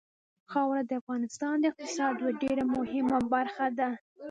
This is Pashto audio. خاوره د افغانستان د اقتصاد یوه ډېره مهمه برخه ده.